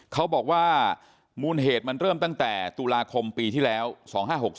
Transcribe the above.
เขาบอกว่ามูลเหตุมันเริ่มตั้งแต่ตุลาคมพศ๒๕๖๒